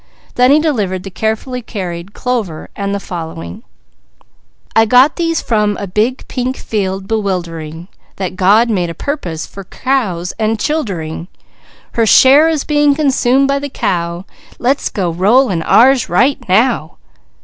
Then he delivered the carefully carried clover and the following: "_I got these from a big, pink field bewildering, That God made a purpose for cows and childering. Her share is being consumed by the cow, Let's go roll in ours right now.